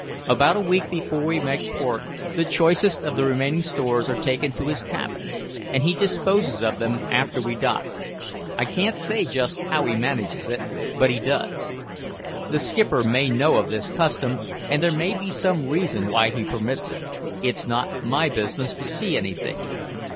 About a week before we make port, the choicest of the remaining stores are taken to his cabin, and he disposes of them after we dock. I can't say just how he manages it, but he does. The skipper may know of this custom, and there may be some reason why he permits it. It's not my business to see anything.